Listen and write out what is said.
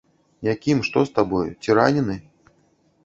Якім, што з табою, ці ранены?